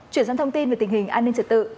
chuyển sang thông tin về tình hình an ninh trật tự